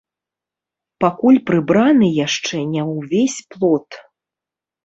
Пакуль прыбраны яшчэ не ўвесь плот.